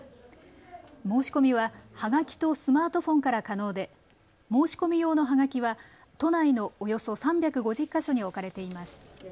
申し込みは、はがきとスマートフォンから可能で申し込み用のはがきは都内のおよそ３５０か所に置かれています。